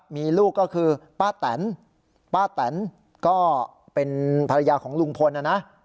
มีลูกก็คือป้าแตนป้าแตนก็เป็นภรรยาของลุงพลนะนะ